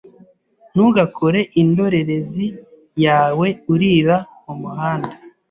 Ntugakore indorerezi yawe urira mumuhanda.